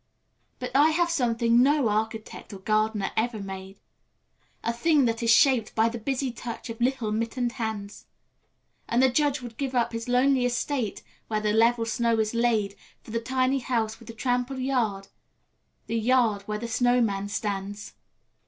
But I have something no architect or gardener ever made, A thing that is shaped by the busy touch of little mittened hands: And the Judge would give up his lonely estate, where the level snow is laid For the tiny house with the trampled yard, the yard where the snowman stands.